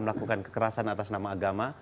melakukan kekerasan atas nama agama